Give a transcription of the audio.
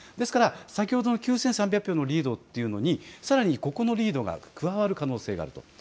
先ほどの９３００票のリードというのにさらにここのリードが加わる可能性があります。